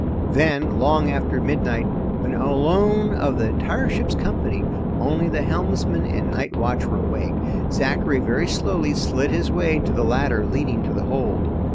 Then, long after midnight when, alone of the entire ship's company, only the helmsman and night watch were awake, Zachary very slowly slid his way to the ladder leading to the hold.